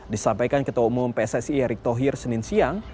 disampaikan ketua umum pssi erick thohir senin siang